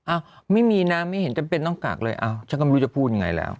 อ้าวไม่มีนะไม่เห็นจำเป็นต้องกากเลยอ้าวฉันก็ไม่รู้จะพูดยังไงแล้ว